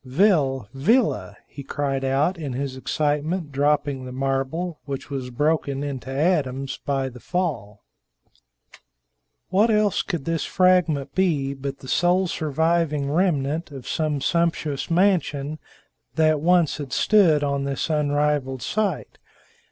"Vil Villa!" he cried out, in his excitement dropping the marble, which was broken into atoms by the fall. What else could this fragment be but the sole surviving remnant of some sumptuous mansion that once had stood on this unrivaled site?